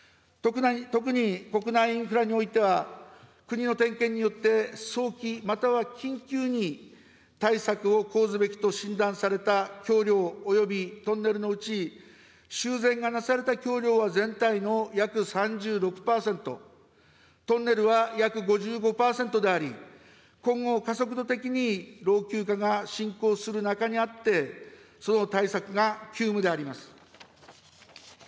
特に、国内インフラにおいては、国の点検によって早期または緊急に対策を講ずべきと診断された橋りょうおよびトンネルのうち、修繕がなされた橋りょうは全体の約３６％、トンネルは約５５％であり、今後加速度的に老朽化が進行する中にあって、その対策が急務であります。